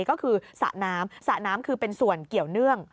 ก็คือสระน้ำสระน้ำคือเป็นส่วนเกี่ยวเนื่อง